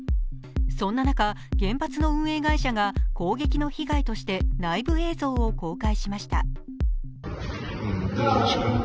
そんな中、原発の運営会社が攻撃の被害として内部映像を公開しました。